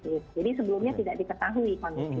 jadi sebelumnya tidak diketahui